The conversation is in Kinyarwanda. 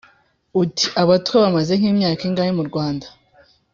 -uti: ”abatwa bamaze nk’imyaka ingahe mu rwanda?